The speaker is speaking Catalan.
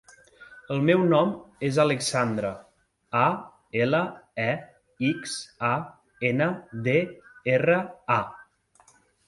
El meu nom és Alexandra: a, ela, e, ics, a, ena, de, erra, a.